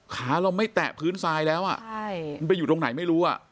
เราไม่แตะพื้นทรายแล้วมันไปอยู่ตรงไหนไม่รู้อ่ะ